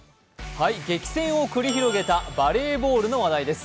激戦を繰り広げたバレーボールの話題です。